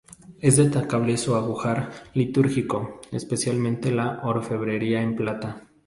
Es destacable su ajuar litúrgico, especialmente la orfebrería en plata.